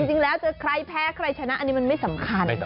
จริงแล้วเจอใครแพ้ใครชนะอันนี้มันไม่สำคัญ